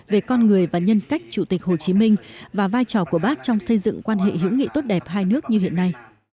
về con người và nhân cách chủ tịch hồ chí minh và vai trò của bác trong xây dựng quan hệ hữu nghị tốt đẹp hai nước như hiện nay